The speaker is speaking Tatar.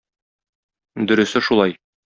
Дөресе шулай.